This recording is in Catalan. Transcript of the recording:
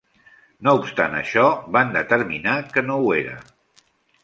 No obstant això, van determinar que no ho era.